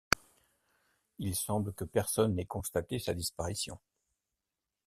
Il semble que personne n'ait constaté sa disparition.